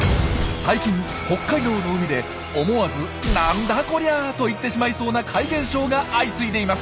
最近北海道の海で思わず「なんだこりゃ！」と言ってしまいそうな怪現象が相次いでいます。